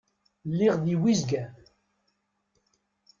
Lliɣ di Wizgan.